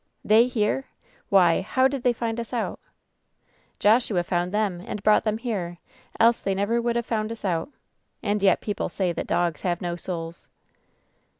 "They here ! Why, how did they find us out ?" "Joshua found them and brought them here, else they never would have found us out. And yet people say that dogs have no souls